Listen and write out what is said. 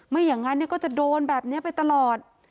ไม่อย่างนั้นก็จะโดนแบบนี้ไปตลอด